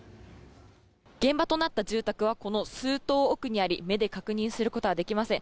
現場となった住宅はこの数棟奥にあり目で確認することはできません。